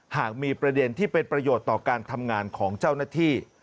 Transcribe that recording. หากมีประเด็นที่เป็นประโยชน์ต่อการทำงานของเจ้าหน้าที่